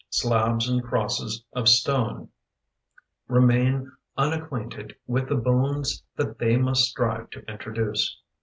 Slabs and crosses of stone Remain unacquainted with the bones That they must strive to introduce.